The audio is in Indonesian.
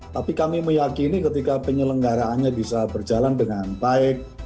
tapi kami meyakini ketika penyelenggaraannya bisa berjalan dengan baik